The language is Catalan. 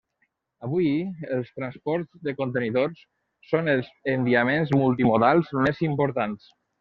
Avui els transports de contenidors són els enviaments multimodals més importants.